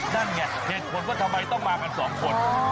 นั่นไงเหตุผลว่าทำไมต้องมากันสองคน